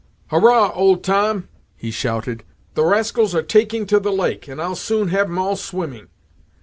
"Hurrah! Old Tom," he shouted "The rascals are taking to the lake, and I'll soon have 'em all swimming!"